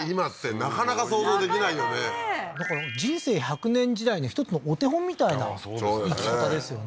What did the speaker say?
なかなかねだから人生１００年時代の１つのお手本みたいな生き方ですよね